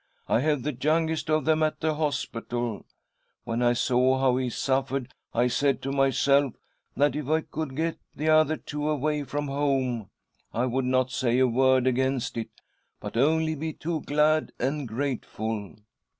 I have the youngest of them at the hospital. When I saw how he suffered, I said to myself that if I could get the other two away from home I would not say a word against it, but only be too glad and grateful.'